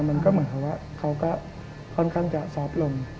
มันก็เหมือนกับว่าเขาก็ค่อนข้างจะซอฟต์ลง